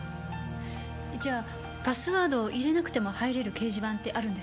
じゃあパスワードを入れなくても入れる掲示板ってあるんですか？